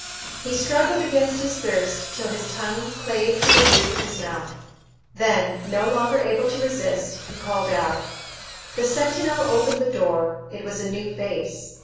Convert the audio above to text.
He struggled against his thirst till his tongue clave to the roof of his mouth; then, no longer able to resist, he called out. The sentinel opened the door; it was a new face.